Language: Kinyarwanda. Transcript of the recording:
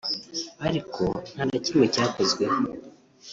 ariko nta na kimwe cyakozweho